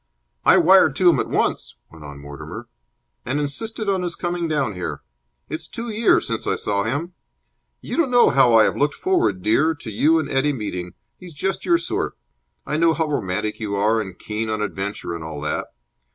"I wired to him at once," went on Mortimer, "and insisted on his coming down here. It's two years since I saw him. You don't know how I have looked forward, dear, to you and Eddie meeting. He is just your sort. I know how romantic you are and keen on adventure and all that.